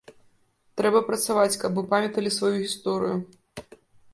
Трэба працаваць, каб мы памяталі сваю гісторыю.